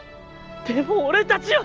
でも俺たちは！